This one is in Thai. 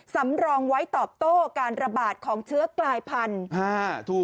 สำรองไว้ตอบโต้การระบาดของเชื้อกลายพันธุ์